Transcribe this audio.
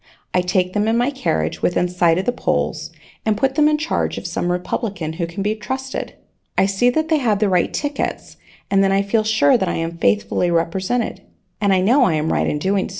I take them in my carriage within sight of the polls and put them in charge of some Republican who can be trusted. I see that they have the right tickets and then I feel sure that I am faithfully represented, and I know I am right in so doing.